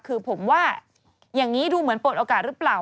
คือผมว่าอย่างนี้ดูเหมือนปลดโอกาสหรือเปล่า